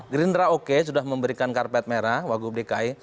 gerindra oke sudah memberikan karpet merah wagub dki